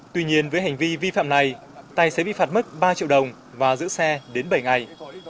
tuy nhiên với hành vi vi phạm này tài xế bị phạt mức ba triệu đồng và giữ xe đến bảy ngày